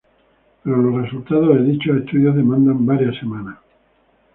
Pero los resultados de dichos estudios demandan varias semanas.